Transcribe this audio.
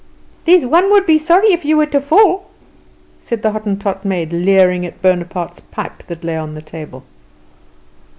"There's one would be sorry if you were to fall," said the Hottentot maid, leering at Bonaparte's pipe, that lay on the table.